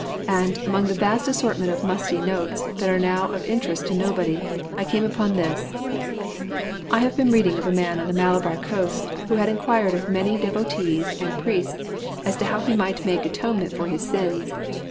And, among a vast assortment of musty notes that are now of interest to nobody, I came upon this: 'I have been reading of a man on the Malabar coast who had inquired of many devotees and priests as to how he might make atonement for his sins.